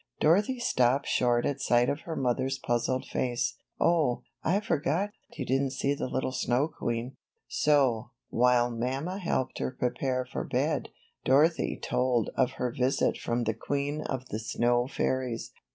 Dorothy stopped short at sight of her mother's puzzled face. ^Dh, I forgot, you didn't see the little snow queen." So, while mamma helped her prepare for bed, Dorothy told of her visit from the queen of the snow fairies.